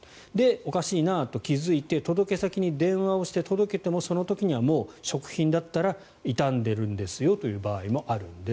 おかしいなと気付いて届け先に電話をして届けてもその時には食品だったら傷んでるんですという場合もあると。